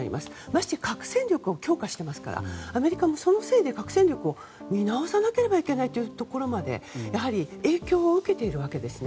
ましてや核戦力を強化していますからアメリカも核戦力を見直さなければいけないところまでやはり、影響を受けているわけです。